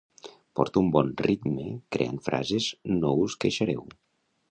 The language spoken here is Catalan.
Porto un bon ritme creant frases no us queixareu